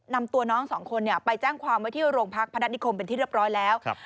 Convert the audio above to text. นำตัวน้องสองคนไปแจ้งความไว้ที่โรงพักพนัฐนิคมเป็นที่เรียบร้อยแล้ว